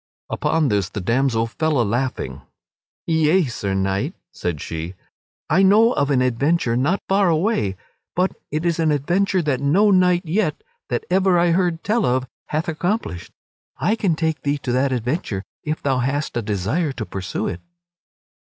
Upon this the damsel fell a laughing: "Yea, Sir Knight," said she, "I know of an adventure not far away, but it is an adventure that no knight yet that ever I heard tell of hath accomplished. I can take thee to that adventure if thou hast a desire to pursue it."